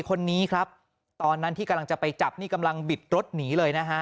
คนนี้ครับตอนนั้นที่กำลังจะไปจับนี่กำลังบิดรถหนีเลยนะฮะ